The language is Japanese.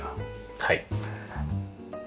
はい。